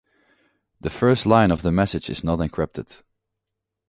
The first line of the message is not encrypted.